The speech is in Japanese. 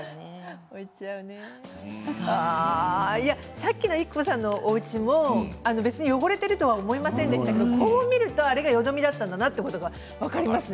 さっきの育子さんのおうちも汚れていると思いませんでしたけれどこう見ると、あれがよどみだと分かりますね。